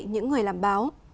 những người làm báo